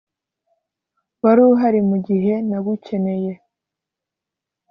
wari uhari mugihe nagukeneye